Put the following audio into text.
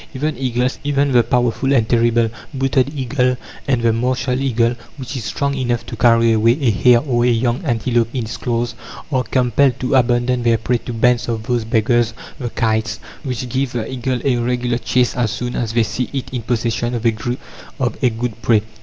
Even eagles even the powerful and terrible booted eagle, and the martial eagle, which is strong enough to carry away a hare or a young antelope in its claws are compelled to abandon their prey to bands of those beggars the kites, which give the eagle a regular chase as soon as they see it in possession of a good prey.